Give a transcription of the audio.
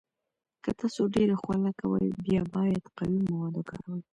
که تاسو ډیر خوله کوئ، بیا باید قوي مواد وکاروئ.